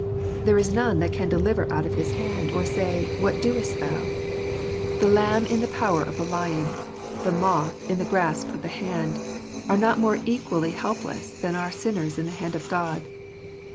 There is none that can deliver out of his hand, or say, "What doest Thou?" no fhisepfr mailing himself bitotoit. The lamb in the power of the lion, the moth in the grasp of the hand, are not more entirely helpless than are sinners in the hand of God.